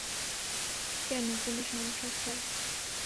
কেন, কোনও সমস্যা, স্যার?